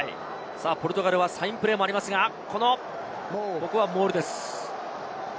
ポルトガルはサインプレーもありますが、ここはモールです。